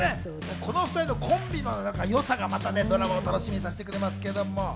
この２人のコンビのよさがまたドラマを楽しみにさせてくれます。